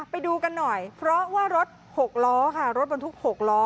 ไปดูกันหน่อยเพราะว่ารถ๖ล้อค่ะรถบรรทุก๖ล้อ